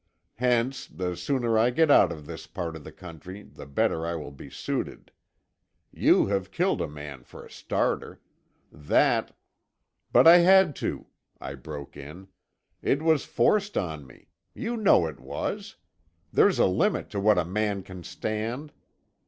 Hence, the sooner I get out of this part of the country, the better I will be suited. You have killed a man for a starter. That——" "But I had to," I broke in. "It was forced on me. You know it was. There's a limit to what a man can stand."